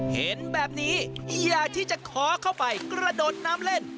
เห็นแบบนี้อยากที่จะขอเข้าไปกระโดดน้ำเล่น